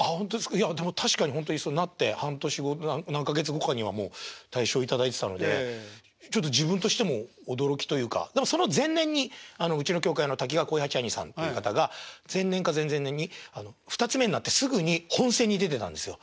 いやでも確かにほんとになって半年後何か月後かにはもう大賞頂いてたのでちょっと自分としても驚きというかでもその前年にうちの協会の瀧川鯉八あにさんっていう方が前年か前々年に二ツ目になってすぐに本選に出てたんですよ。